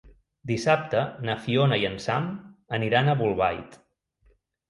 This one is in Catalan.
Dissabte na Fiona i en Sam aniran a Bolbait.